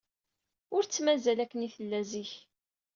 Ur tt-mazal akken ay tella zik.